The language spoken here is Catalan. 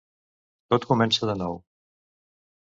Tot comença de nou.